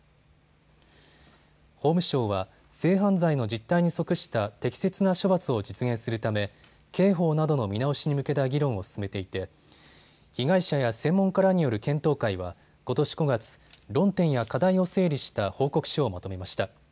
法務省は性犯罪の実態に即した適切な処罰を実現するため刑法などの見直しに向けた議論を進めていて被害者や専門家らによる検討会はことし５月、論点や課題を整理した報告書をまとめました。